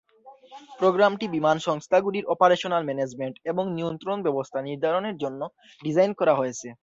প্রোগ্রামটি বিমান সংস্থাগুলির অপারেশনাল ম্যানেজমেন্ট এবং নিয়ন্ত্রণ ব্যবস্থা নির্ধারণের জন্য ডিজাইন করা হয়েছে।